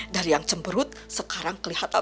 dari yang cemperut sekarang kelihatan